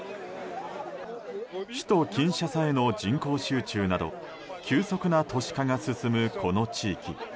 首都キンシャサへの人口集中など急速な都市化が進むこの地域。